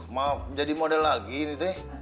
mau jadi model lagi nih teh